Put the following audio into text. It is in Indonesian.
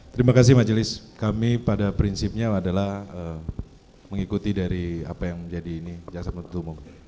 terima kasih majelis kami pada prinsipnya adalah mengikuti dari apa yang menjadi ini jaksa penutup umum